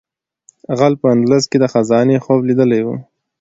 غل په اندلس کې د خزانې خوب لیدلی و.